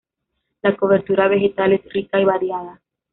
La cobertura vegetal es rica y variada.